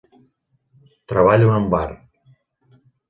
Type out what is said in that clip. Treballo en un bar.